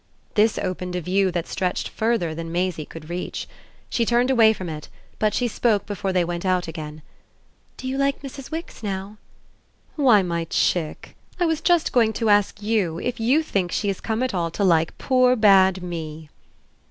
This opened a view that stretched further than Maisie could reach. She turned away from it, but she spoke before they went out again. "Do you like Mrs. Wix now?" "Why, my chick, I was just going to ask you if you think she has come at all to like poor bad me!"